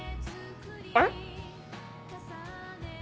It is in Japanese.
あれ？